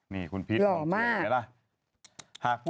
หล่อมาก